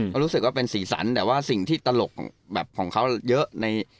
เขารู้สึกว่าเป็นสีสันแต่ว่าสิ่งที่ตลกแบบของเขาเยอะใน